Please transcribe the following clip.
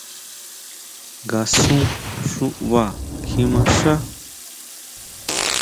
¿Ngasun xuʼbá kjimaxá?